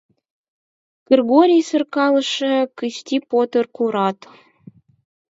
Кыргорий, серкалыше, Кысти, Пӧтыр пурат.